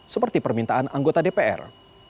seperti permintaan anggota dpr